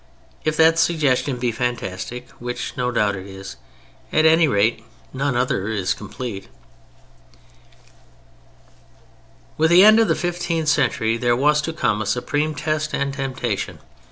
If that suggestion be fantastic (which no doubt it is), at any rate none other is complete. With the end of the fifteenth century there was to come a supreme test and temptation.